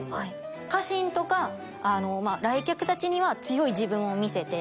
家臣とか来客たちには強い自分を見せて。